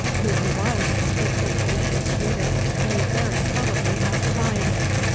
Who he was, the sagacious reader may very probably have divined.